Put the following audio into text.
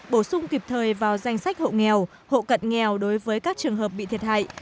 bổ sung kịp thời vào danh sách hộ nghèo hộ cận nghèo đối với các trường hợp bị thiệt hại